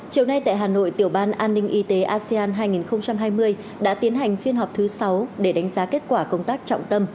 chiều nay tại hà nội tiểu ban an ninh y tế asean hai nghìn hai mươi đã tiến hành phiên họp thứ sáu để đánh giá kết quả công tác trọng tâm